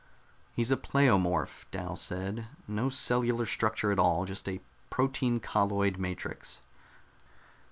"He's a pleomorph," Dal said. "No cellular structure at all, just a protein colloid matrix."